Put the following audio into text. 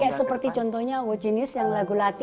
kayak seperti contohnya award genius yang lagu lati